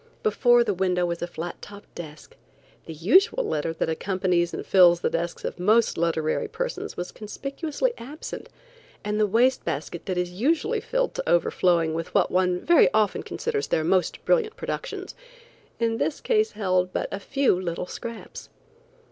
Before the window was a flat topped desk. The usual litter that accompanies and fills the desks of most literary persons was conspicuously absent, and the waste basket that is usually filled to overflowing with what one very often considers their most brilliant productions, in this case held but a few little scraps.